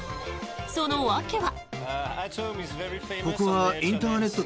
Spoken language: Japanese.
その訳は？